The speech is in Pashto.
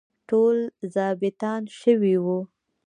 ټول ظابیطان شوي وو.